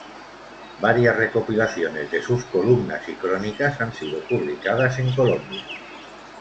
Varias recopilaciones de sus columnas y crónicas han sido publicadas en Colombia.